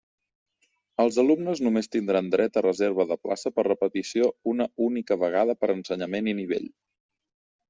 Els alumnes només tindran dret a reserva de plaça per repetició una única vegada per ensenyament i nivell.